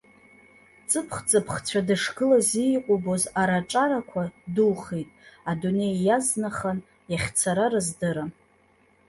Ҵыԥх ҵыԥхцәа дышгылаз ииҟәыбоз араҿарақәа духеит, адунеи иазнахан, иахьцара рыздырам.